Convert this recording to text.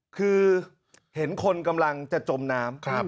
คือเห็นคนกำลังจะจมน้ำ